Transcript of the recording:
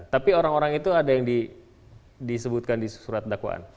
tapi orang orang itu ada yang disebutkan di surat dakwaan